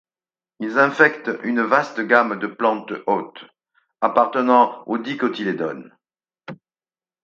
Ils infectent une vaste gamme de plantes-hôtes, appartenant aux dicotylédones.